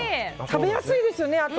食べやすいですよね。